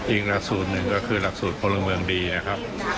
อีกหลักสูตรหนึ่งก็คือหลักสูตรพลเมืองดีนะครับ